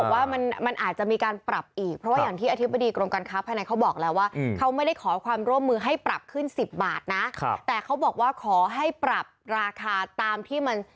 ขอให้ปรับราคาตามที่มันสะท้อนกลไกจริง